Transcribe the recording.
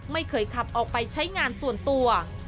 ไม่เคยขับออกไปใช้งานส่วนตัว